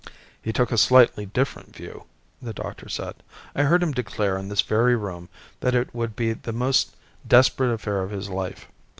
"He took a slightly different view," the doctor said. "I heard him declare in this very room that it would be the most desperate affair of his life.